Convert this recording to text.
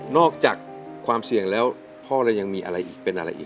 อกจากความเสี่ยงแล้วพ่อเรายังมีอะไรอีกเป็นอะไรอีก